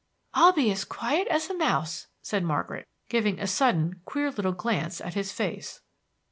"I'll be as quiet as a mouse," said Margaret giving a sudden queer little glance at his face.